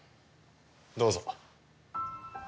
どうぞ。